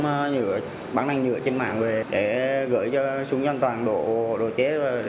một khẩu súng bán đạn nhựa trên mạng về để gửi cho súng an toàn đội chế